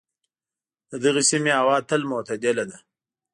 د دغې سیمې هوا تل معتدله ده.